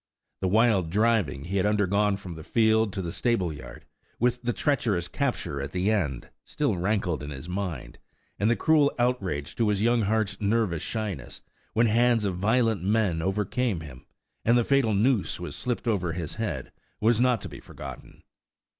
The wild driving he had undergone from the field to the stable yard, with the treacherous capture at the end, still rankled in his mind, and the cruel outrage to his young heart's nervous shyness, when hands of violent men overcame him, and the fatal noose was slipped over his head, was not to be forgotten.